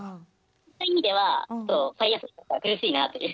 そういう意味ではちょっとＦＩＲＥ生活が苦しいなという。